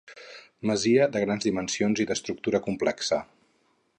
Masia de grans dimensions i d'estructura complexa.